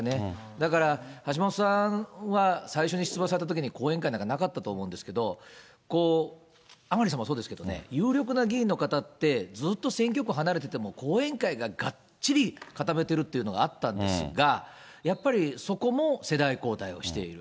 だから、橋下さんは最初に出馬されたときに後援会なんかなかったと思うんですけど、甘利さんもそうですけどね、有力な議員の方ってずっと選挙区離れてても、後援会ががっちり固めてるっていうのがあったんですが、やっぱり、そこも世代交代している。